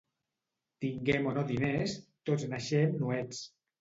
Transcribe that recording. Tinguem o no diners, tots naixem nuets.